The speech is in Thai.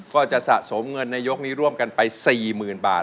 ก็จะสะสมเงินในยกนี้ร่วมกันไป๔๐๐๐บาท